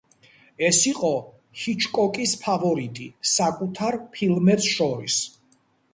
ეს იყო ჰიჩკოკის ფავორიტი საკუთარ ფილმებს შორის.